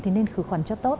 thì nên khử khuẩn cho tốt